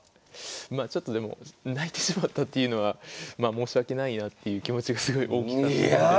まあちょっとでも泣いてしまったっていうのは申し訳ないなっていう気持ちがすごい大きかったので。